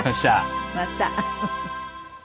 また。